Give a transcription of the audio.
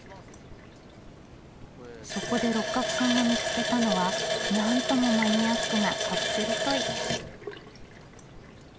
そこで六角さんが見つけたのはなんともマニアックなカプセルトイ。